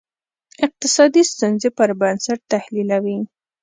اقتصادي ستونزې پر بنسټ تحلیلوي.